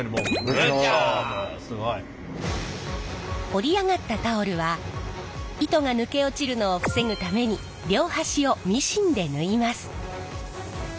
織り上がったタオルは糸が抜け落ちるのを防ぐために両端をミシンで縫います。